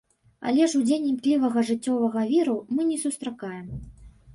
Але ж удзень імклівага жыццёвага віру мы не сустракаем.